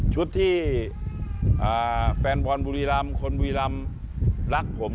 ชุดที่แฟนบอลบุรีรำคนบุรีรำรักผม